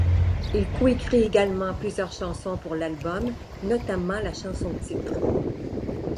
Il coécrit également plusieurs chansons pour l'album, notamment la chanson-titre.